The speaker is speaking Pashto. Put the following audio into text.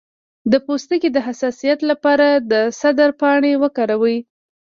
د پوستکي د حساسیت لپاره د سدر پاڼې وکاروئ